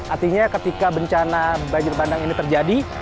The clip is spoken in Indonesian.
artinya ketika bencana banjir bandang ini terjadi